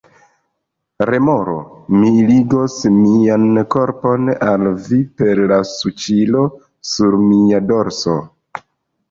Remoro: "Mi ligos mian korpon al vi per la suĉilo sur mia dorso!"